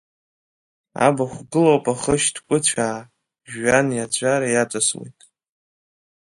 Абахә гылоуп ахы шьҭкәыцәаа, жәҩан иаҵәара иаҵасуеит.